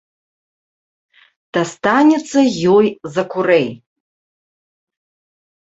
Дастанецца ёй за курэй!